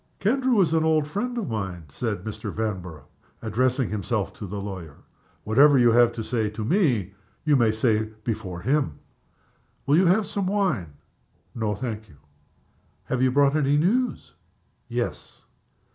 "Kendrew is an old friend of mine," said Mr. Vanborough, addressing himself to the lawyer. "Whatever you have to say to me you may say before him. Will you have some wine?" "No thank you." "Have you brought any news?" "Yes."